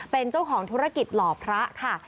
เป็นเจ้าของธุรกิจหล่อพระค่ะ